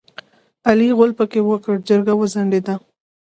علي غول پکې وکړ؛ جرګه وځنډېده.